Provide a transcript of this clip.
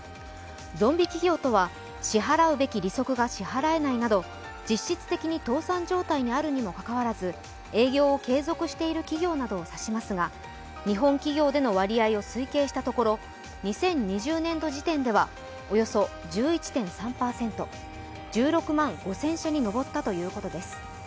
ゾンビ企業とは、支払うべき利息が支払えないなど実質的に倒産状態にあるにもかかわらず営業を継続している企業などを指しますが、日本企業での割合を推計したところ２０２０年度時点ではおよそ１１．３％、１６万５００社に上ったということです